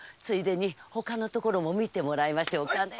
ついでに他のところも見てもらいましょうか。